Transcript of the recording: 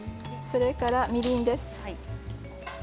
それからみりんです。